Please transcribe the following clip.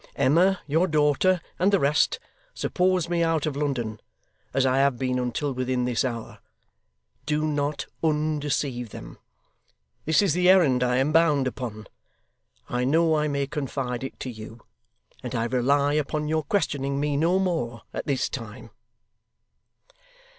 Emma, your daughter, and the rest, suppose me out of London, as I have been until within this hour. Do not undeceive them. This is the errand I am bound upon. I know I may confide it to you, and I rely upon your questioning me no more at this time.